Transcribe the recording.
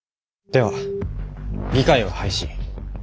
では議会は廃止。